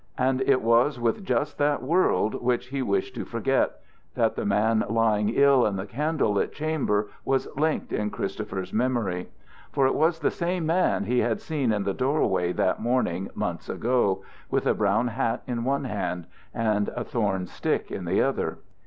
And it was with just that world which he wished to forget, that the man lying ill in the candle lit chamber was linked in Christopher's memory. For it was the same man he had seen in the doorway that morning months ago, with a brown hat in one hand and a thorn stick in the other.